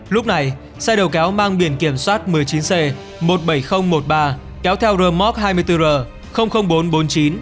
lúc này xe đầu kéo mang biển kiểm soát một mươi chín c một mươi bảy nghìn một mươi ba kéo theo rơ móc hai mươi bốn r bốn trăm bốn mươi chín